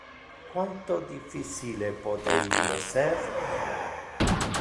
Quanto difficile pote illo ser?